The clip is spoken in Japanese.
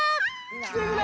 きてくれ！